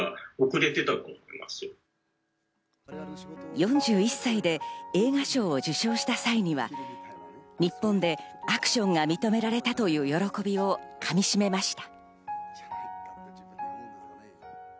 ４１歳で映画賞を受賞した際には日本でアクションが認められたという喜びをかみしめました。